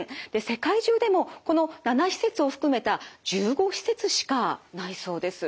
世界中でもこの７施設を含めた１５施設しかないそうです。